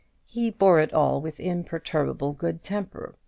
He bore it all with imperturbable good temper.